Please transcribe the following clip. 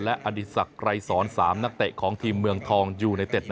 และอดิษักรายสรรค์๓นักเตะของทีมเมืองทองยูไนเต็ด